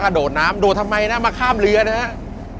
โดดน้ำโดดทำไมนะมาข้ามเรือนะครับ